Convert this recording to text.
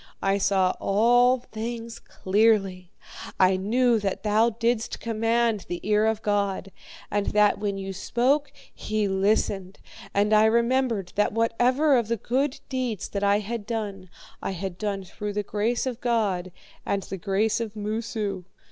I saw all things clearly. I knew that thou didst command the ear of God, and that when you spoke he listened. And I remembered that whatever of the good deeds that I had done, I had done through the grace of God, and the grace of Moosu.